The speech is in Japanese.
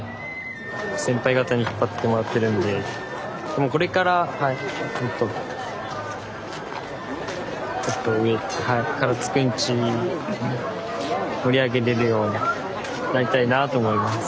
先輩方に引っ張ってもらってるんでもうこれからもっともっと上行って唐津くんち盛り上げれるようになりたいなあと思います。